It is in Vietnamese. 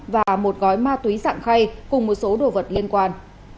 và một gói ma túy dạng khay cùng một số đồ vật liên quan